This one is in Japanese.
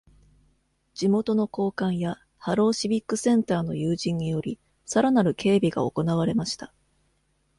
地元の高官や Harrow Civic Centre の友人により、更なる警備が行われました。